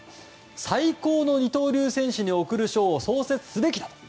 最高の二刀流選手に贈る賞を創設すべきだと。